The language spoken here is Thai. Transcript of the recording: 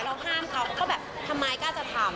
ห้ามเขาก็แบบทำไมกล้าจะทำ